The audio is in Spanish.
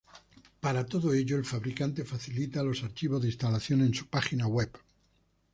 Para todo ello, el fabricante facilita los archivos de instalación en su página web.